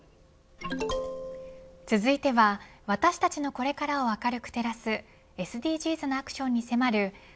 続いては私たちのこれからを明るく照らすＳＤＧｓのアクションに迫る＃